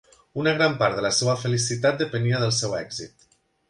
Una gran part de la seva felicitat depenia del seu èxit.